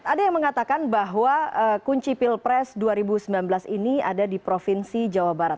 ada yang mengatakan bahwa kunci pilpres dua ribu sembilan belas ini ada di provinsi jawa barat